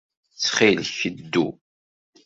Ttxil-k, ddu.